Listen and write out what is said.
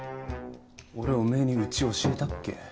俺おめえにうち教えたっけ？